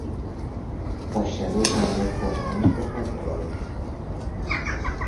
Paşeroja me tevan bi hev re ye.